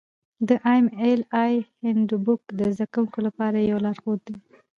د ایم ایل اې هینډبوک د زده کوونکو لپاره یو لارښود دی.